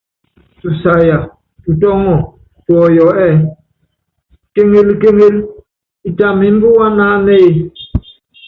Tusaya tutɔ́ŋɔ tuɔyɔ ɛ́ɛ: kéŋél kéŋél, itam ímbíwá naánéé?